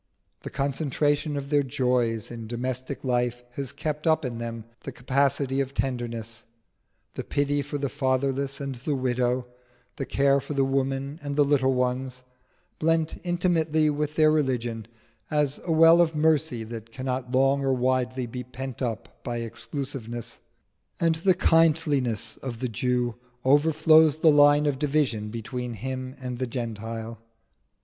The concentration of their joys in domestic life has kept up in them the capacity of tenderness: the pity for the fatherless and the widow, the care for the women and the little ones, blent intimately with their religion, is a well of mercy that cannot long or widely be pent up by exclusiveness. And the kindliness of the Jew overflows the line of division between him and the Gentile.